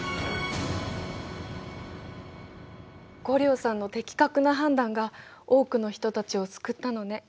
梧陵さんの的確な判断が多くの人たちを救ったのね。